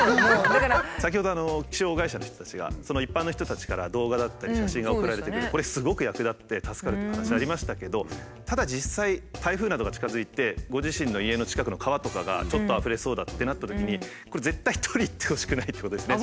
先ほどあの気象会社の人たちが一般の人たちから動画だったり写真が送られてくるこれすごく役立って助かるという話ありましたけどただ実際台風などが近づいてご自身の家の近くの川とかがちょっとあふれそうだってなったときにこれ絶対撮りに行ってほしくないってことですね。